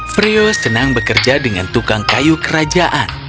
freo senang bekerja dengan tukang kayu kerajaan